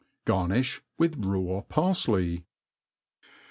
Garniih with raw paftley.